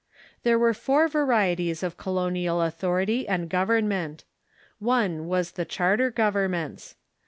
There were four varieties of colonial authority and govern ment. One was the Charter governments.